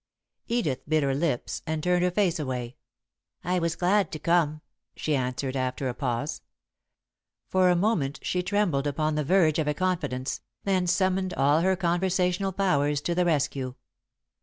Edith bit her lips and turned her face away. "I was glad to come," she answered, after a pause. For a moment she trembled upon the verge of a confidence, then summoned all her conversational powers to the rescue.